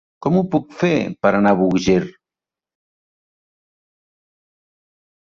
Com ho puc fer per anar a Búger?